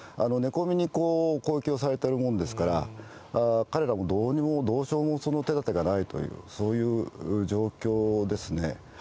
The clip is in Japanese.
寝込みに攻撃をされてるもんですから、彼らもどうにも、どうしようもその手だてがないという、そういう状況ですね。